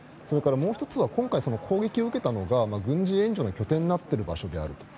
それからもう１つは、今回攻撃を受けたのが軍事援助の拠点になっている場所である。